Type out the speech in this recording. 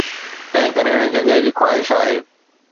تنهنڪري هن جڳهه جي خواهش آهي